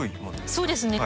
そうですね。